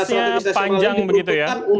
prosesnya panjang begitu ya